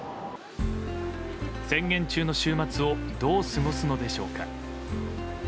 宣言中の週末をどう過ごすのでしょうか。